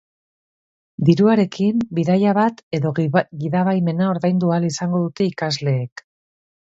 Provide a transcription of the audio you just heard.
Diruarekin bidaia bat edo gidabaimena ordaindu ahal izango dute ikasleek.